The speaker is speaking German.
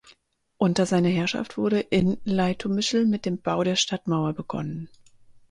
Unter seiner Herrschaft wurde in Leitomischl mit dem Bau der Stadtmauer begonnen.